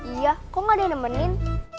iya kok gak di nemenin